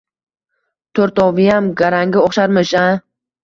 To‘rttoviyam garangga o‘xsharmish a.